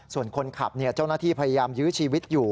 ส่วนคนขับเจ้าหน้าที่พยายามยื้อชีวิตอยู่